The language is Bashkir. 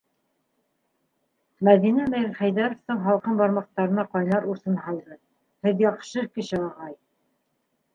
- Мәҙинә Мирхәйҙәровтың һалҡын бармаҡтарына ҡайнар усын һалды. - һеҙ яҡшы кеше, ағай...